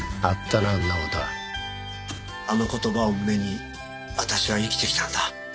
そんなことあの言葉を胸に私は生きてきたんだ